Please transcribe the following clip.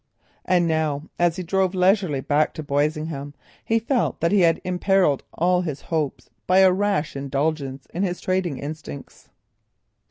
And now, as he drove leisurely back to Boisingham, he felt that he had imperilled all his hopes by a rash indulgence in his trading instincts.